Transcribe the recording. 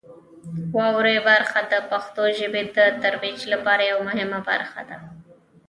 واورئ برخه د پښتو ژبې د ترویج لپاره یوه مهمه برخه ده.